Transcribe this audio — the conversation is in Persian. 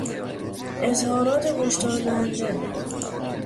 اظهارات هشدار دهنده